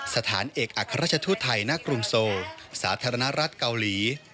สถานเอกอัครราชทูตไทยณกรุงโซสาธารณรัฐเกาหลี